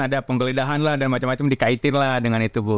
ada penggeledahan lah dan macam macam dikaitin lah dengan itu bu